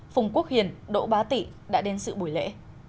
phùng quốc hiền đỗ bá tị đã đến sự buổi lễ